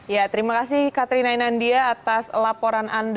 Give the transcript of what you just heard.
ya terima kasih katrina inandia atas laporan anda